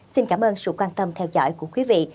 xin cảm ơn sự quan tâm theo dõi của quý vị